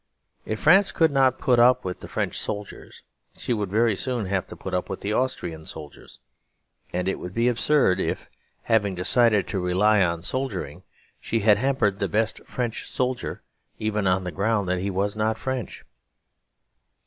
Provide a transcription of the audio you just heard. If France could not put up with French soldiers she would very soon have to put up with Austrian soldiers; and it would be absurd if, having decided to rely on soldiering, she had hampered the best French soldier even on the ground that he was not French.